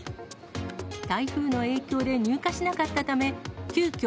台風の影響で入荷しなかったため、急きょ、